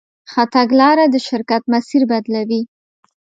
ښه تګلاره د شرکت مسیر بدلوي.